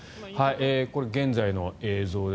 これ、現在の映像です。